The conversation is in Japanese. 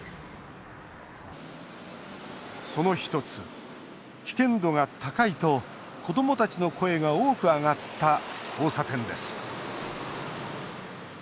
その１つ、危険度が高いと子どもたちの声が多く上がった交差点です。